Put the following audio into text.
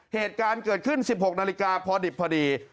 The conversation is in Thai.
เหตุการณ์เกิดขึ้น๑๖นาฬิกาพอดิบพอดี